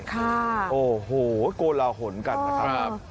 ครับโอ้โฮโกลหละหนกันนะครับครับ